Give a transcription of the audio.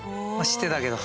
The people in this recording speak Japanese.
知ってたけど。